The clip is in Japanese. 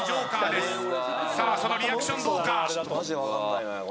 さあそのリアクションどうか？